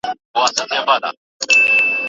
سم نیت هدف نه خرابوي.